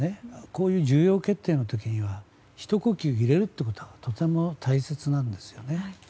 こういう重要決定の時にはひと呼吸入れるのがとても大切なんですよね。